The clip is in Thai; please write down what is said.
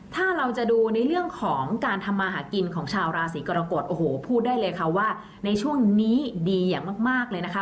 ถ้าเราจะดูในเรื่องของการทำมาหากินของชาวราศีกรกฎโอ้โหพูดได้เลยค่ะว่าในช่วงนี้ดีอย่างมากเลยนะคะ